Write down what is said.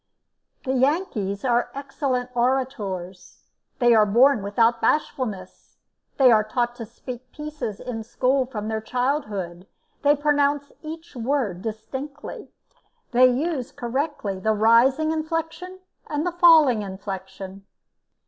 The Yankees are excellent orators; they are born without bashfulness; they are taught to speak pieces in school from their childhood; they pronounce each word distinctly; they use correctly the rising inflection and the falling inflection.